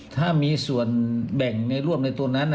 ถ้ามีส่วนแบ่งในร่วมในตัวนั้น